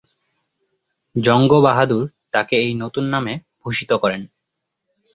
জঙ্গ বাহাদুর তাকে এই নতুন নামে ভূষিত করেন।